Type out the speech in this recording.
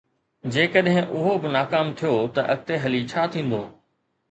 جيڪڏهن اهو به ناڪام ٿيو ته اڳتي هلي ڇا ٿيندو؟